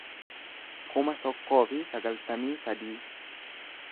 kuma tokkoo fi sagaltamii sadii